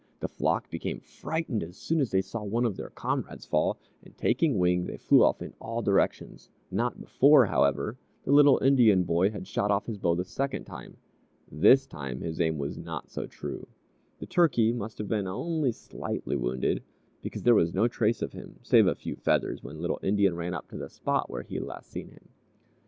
The flock became frightened as soon as they saw one of their comrades fall, and taking wing, they flew off in all directions, not before, however, the little Indian boy had shot off his bow the second time. This time, his aim was not so true; the turkey must have been only slightly wounded, because there was no trace of him, save a few feathers, when little Indian ran up to the spot where he had last seen him.